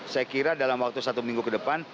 saya kira dalam waktu satu minggu ke depan